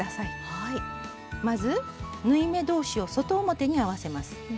まず縫い目同士を外表に合わせます。